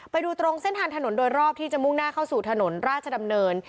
ไปดูตรงเส้นทางถนนโดยรอบที่จะมุ่งหน้าเข้าสู่ถนนราชดำเนิน